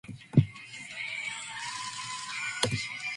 Sheikh Hamad's solicitor, Cameron Doley, said: It is an unequivocal victory.